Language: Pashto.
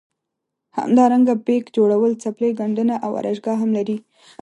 همدارنګه بیک جوړول څپلۍ ګنډنه او ارایشګاه هم لري.